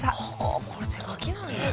これ手書きなんや。